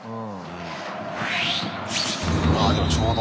あっでもちょうど。